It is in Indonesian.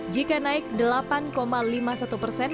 jika naik delapan lima puluh satu persen